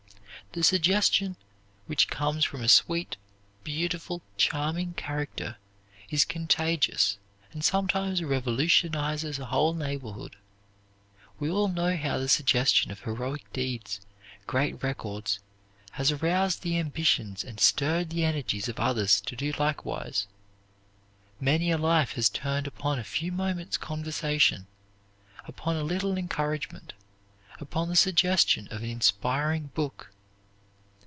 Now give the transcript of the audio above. The suggestion which comes from a sweet, beautiful, charming character is contagious and sometimes revolutionizes a whole neighborhood. We all know how the suggestion of heroic deeds, great records, has aroused the ambitions and stirred the energies of others to do likewise. Many a life has turned upon a few moments' conversation, upon a little encouragement, upon the suggestion of an inspiring book.